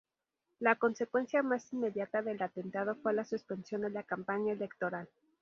La consecuencia más inmediata del atentado fue la suspensión de la campaña electoral.